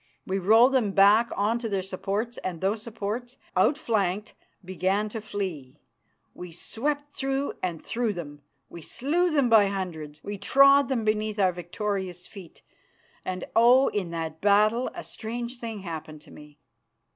We rolled them back on to their supports, and those supports, outflanked, began to flee. We swept through and through them. We slew them by hundreds, we trod them beneath our victorious feet, and oh! in that battle a strange thing happened to me.